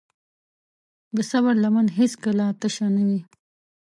د صبر لمن هیڅکله تشه نه وي.